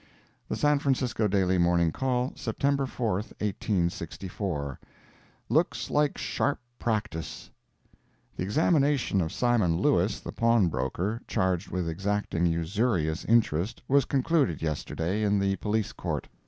The San Francisco Daily Morning Call, September 4, 1864 LOOKS LIKE SHARP PRACTICE The examination of Simon Lewis, the pawnbroker, charged with exacting usurious interest, was concluded yesterday, in the Police Court.